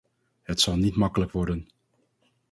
Het zal niet makkelijk worden.